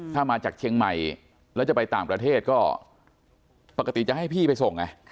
ถ้ามาจากเชียงใหม่แล้วจะไปต่างประเทศก็ปกติจะให้พี่ไปส่งไง